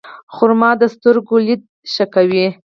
خرما د سترګو لید ښه کوي.